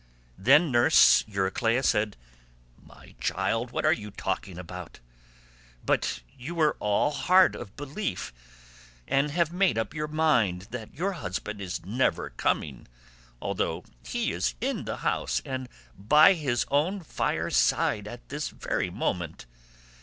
Then nurse Euryclea said, "My child, what are you talking about? but you were all hard of belief and have made up your mind that your husband is never coming, although he is in the house and by his own fire side at this very moment.